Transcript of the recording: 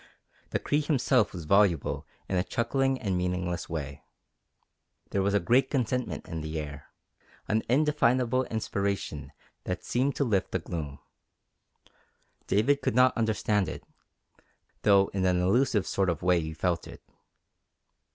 The Cree himself was voluble in a chuckling and meaningless way. There was a great contentment in the air, an indefinable inspiration that seemed to lift the gloom. David could not understand it, though in an elusive sort of way he felt it.